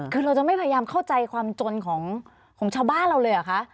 คือเราจะไม่พยายามเข้าใจความจนของชาวบ้านเราเลยเหรอคะ